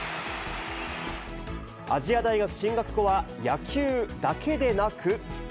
亜細亜大学進学後は、野球だけでなく。